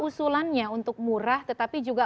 usulannya untuk murah tetapi juga